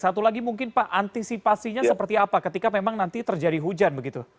satu lagi mungkin pak antisipasinya seperti apa ketika memang nanti terjadi hujan begitu